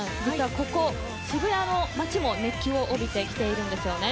ここ渋谷の街も熱気を帯びてきているんですよね。